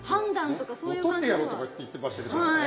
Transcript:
乗っ取ってやろうとかって言ってましたけどもね。